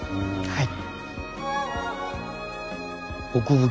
はい。